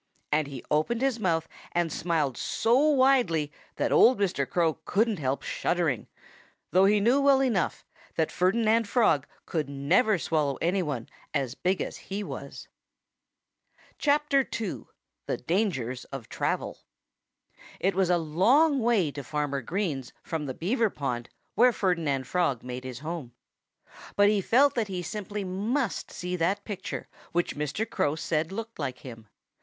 And he opened his mouth and smiled so widely that old Mr. Crow couldn't help shuddering though he knew well enough that Ferdinand Frog could never swallow anyone as big as he was. II THE DANGERS OF TRAVEL It was a long way to Farmer Green's from the Beaver pond where Ferdinand Frog made his home. But he felt that he simply must see that picture which Mr. Crow said looked like him.